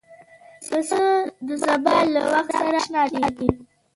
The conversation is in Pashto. پسه د سبا له وخت سره اشنا دی.